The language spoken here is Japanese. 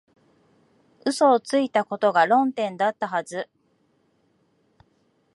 嘘をついたことが論点だったはず